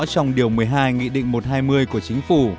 trong điều một mươi hai nghị định một trăm hai mươi của chính phủ